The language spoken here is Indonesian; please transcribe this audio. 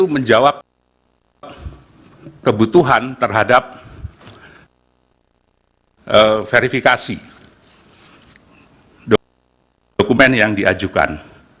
menjawab kebutuhan terhadap verifikasi dokumen yang diajukan